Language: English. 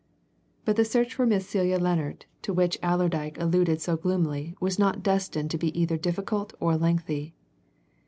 But the search for Miss Celia Lennard to which Allerdyke alluded so gloomily was not destined to be either difficult or lengthy.